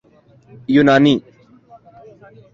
یونانی